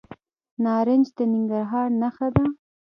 نارنج د ننګرهار نښه ده.